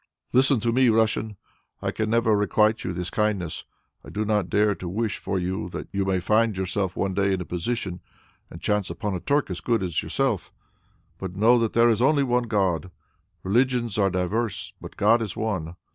"Listen to me, Russian! I can never requite you this kindness. I do not dare to wish for you that you may find yourself one day in my position and chance upon a Turk as good as yourself. But know well there is only one God. Religions are diverse, but God is One.